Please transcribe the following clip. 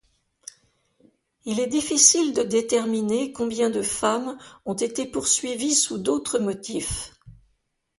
Il est difficile de déterminer combien de femmes ont été poursuivies sous d'autres motifs.